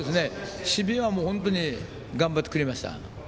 守備は本当に頑張ってくれました。